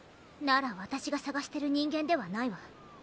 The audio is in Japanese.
ならわたしがさがしてる人間ではないわ